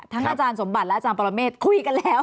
อาจารย์สมบัติและอาจารย์ปรเมฆคุยกันแล้ว